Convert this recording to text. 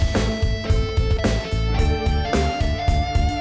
janganlah eduardo umur plenum